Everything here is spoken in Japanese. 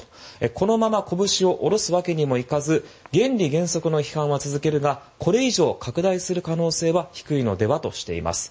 このまま拳を下ろすわけにもいかず原理原則の批判は続けるがこれ以上拡大する可能性は低いのではとしています。